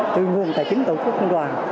từ nguồn tài chính tổ chức công đoàn